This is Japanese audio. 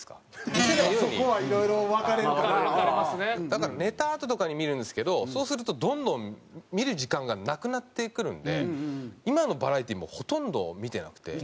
だから寝たあととかに見るんですけどそうするとどんどん見る時間がなくなってくるんで今のバラエティーもうほとんど見てなくて。